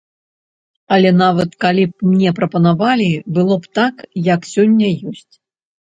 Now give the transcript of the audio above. Але нават калі б мне прапанавалі, было б так, як сёння ёсць.